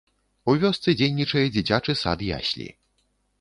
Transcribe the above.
У вёсцы дзейнічае дзіцячы сад-яслі.